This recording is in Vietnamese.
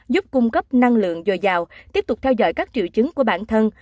giúp cung cấp năng lượng dồi dào tiếp tục theo dõi các triệu chứng của bản thân